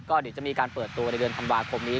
ก็เดี๋ยวจะมีการเปิดตัวในเดือนธันวาคมนี้